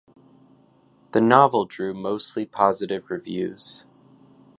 The novel drew mostly positive reviews.